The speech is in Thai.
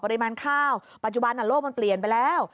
ข้าวปัจจุบันโลกมันเปลี่ยนไปแล้ว